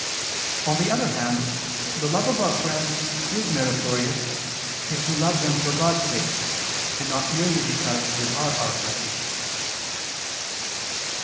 On the other hand the love of our friends is meritorious, if we love them for God's sake, and not merely because they are our friends.